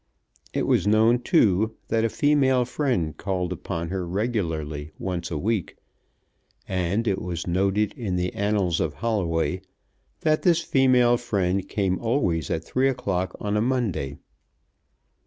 It was known, too, that a female friend called upon her regularly once a week; and it was noted in the annals of Holloway that this female friend came always at three o'clock on a Monday.